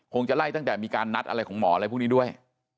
คงจะไล่ตั้งแต่มีการนัดอะไรของหมออะไรพวกนี้ด้วย